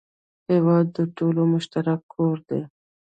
هېواد د ټولو مشترک کور دی.